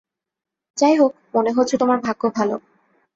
যাইহোক মনে হচ্ছে তোমার ভাগ্য ভালো।